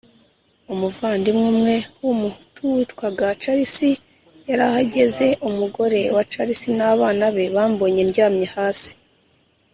umuvandimwe umwe w Umuhutu witwaga Charles yarahageze Umugore wa Charles n abana be bambonye ndyamye hasi